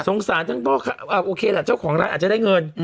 สารทั้งพ่อโอเคแหละเจ้าของร้านอาจจะได้เงิน